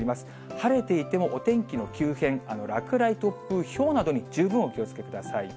晴れていても、お天気の急変、落雷、突風、ひょうなどに十分お気をつけください。